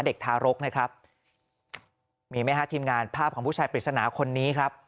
เด็กทารกนะครับมีไหมฮะทีมงานภาพของผู้ชายปริศนาคนนี้ครับ